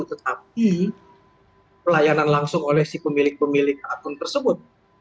tapi pelayanan langsung oleh pemilik pemilik akun tersebut